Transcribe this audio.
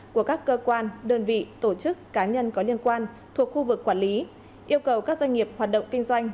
của các cơ quan đơn vị tổ chức cá nhân có liên quan thuộc khu vực quản lý yêu cầu các doanh nghiệp hoạt động kinh doanh